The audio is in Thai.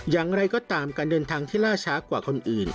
อย่างไรก็ตามการเดินทางที่ล่าช้ากว่าคนอื่น